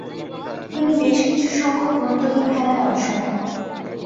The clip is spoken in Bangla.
তিনি বেশকিছুসংখ্যক গুরুত্বহীন খেলায় অংশ নেন।